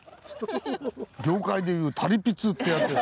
業界で言う「タリピツ」ってやつですね。